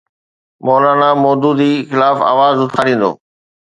مو لانا مودودي خلاف آواز اٿاريندو.